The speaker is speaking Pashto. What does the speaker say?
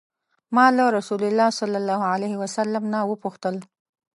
ما له رسول الله صلی الله علیه وسلم نه وپوښتل.